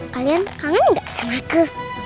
kalian kangen gak sama aku